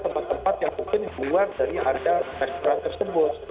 tempat tempat yang mungkin luar dari harga restoran tersebut